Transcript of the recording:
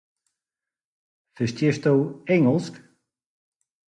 Ferstiesto Ingelsk?